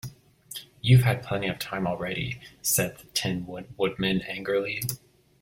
"You've had plenty of time already," said the Tin Woodman, angrily.